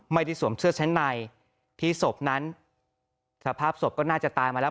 สวมเสื้อชั้นในที่ศพนั้นสภาพศพก็น่าจะตายมาแล้ว